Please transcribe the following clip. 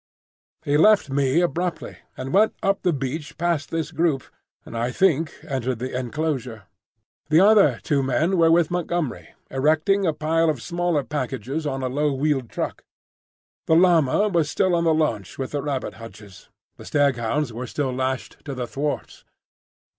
He left me abruptly, and went up the beach past this group, and I think entered the enclosure. The other two men were with Montgomery, erecting a pile of smaller packages on a low wheeled truck. The llama was still on the launch with the rabbit hutches; the staghounds were still lashed to the thwarts.